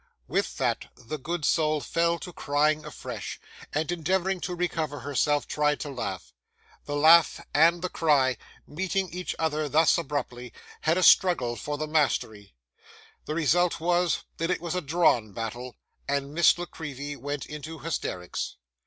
With that, the good soul fell to crying afresh, and, endeavouring to recover herself, tried to laugh. The laugh and the cry, meeting each other thus abruptly, had a struggle for the mastery; the result was, that it was a drawn battle, and Miss La Creevy went into hysterics.